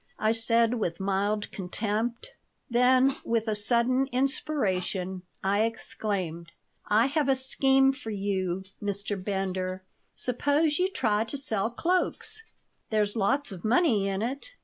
I said, with mild contempt. Then, with a sudden inspiration, I exclaimed: "I have a scheme for you, Mr. Bender! Suppose you try to sell cloaks? There's lots of money in it."